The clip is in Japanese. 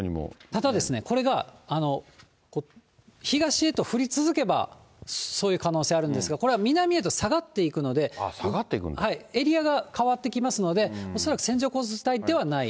ただですね、これが東へと降り続けばそういう可能性あるんですが、あ、エリアが変わってきますので、恐らく線状降水帯ではない。